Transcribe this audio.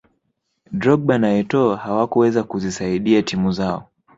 drogba na etoo hawakuweza kuzisaidia timu zao